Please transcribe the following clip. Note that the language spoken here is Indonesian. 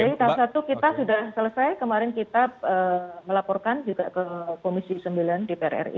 jadi tahap satu kita sudah selesai kemarin kita melaporkan juga ke komisi sembilan di prri